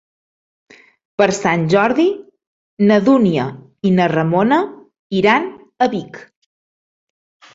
Per Sant Jordi na Dúnia i na Ramona iran a Vic.